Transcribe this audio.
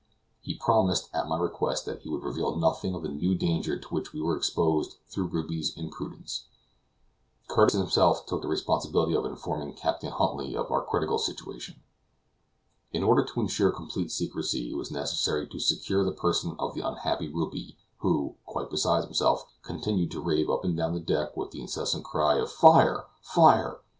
He promised, at my request, that he would reveal nothing of the new danger to which we were exposed through Ruby's imprudence. Curtis himself took the responsibility of informing Captain Huntly of our critical situation. In order to insure complete secrecy, it was necessary to secure the person of the unhappy Ruby, who, quite beside himself, continued to rave up and down the deck with the incessant cry of "Fire! fire!"